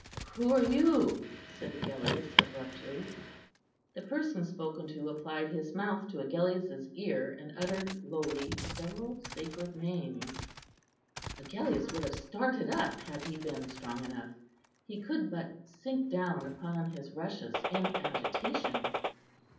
"Who are you?" said Agellius abruptly. The person spoken to applied his mouth to Agellius's ear, and uttered lowly several sacred names. Agellius would have started up had he been strong enough; he could but sink down upon his rushes in agitation.